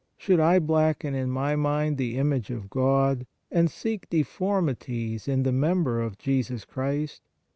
Should I blacken in my mind the image of God, and seek deformities in the member of Jesus Christ?